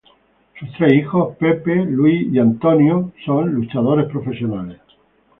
Sus tres hijos, Mike, Brett, y Ted Jr., son luchadores profesionales.